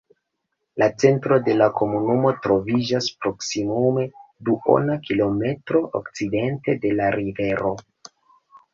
La centro de la komunumo troviĝas proksimume duona kilometro okcidente de la rivero.